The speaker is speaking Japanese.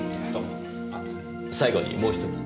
あ最後にもう１つ。